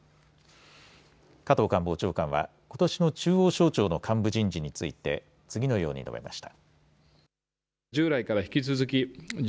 加藤官房長官は、ことしの中央省庁の幹部人事について次のように述べました。